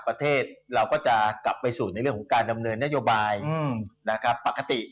ประเทศเราก็จะกลับไปสู่ในเรื่องของการดำเนินนโยบายนะครับปกติ